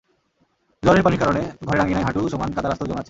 জোয়ারের পানির কারণে ঘরের আঙিনায় হাঁটু সমান কাদার আস্তর জমে আছে।